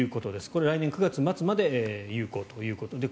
これ、来年９月末まで有効ということで。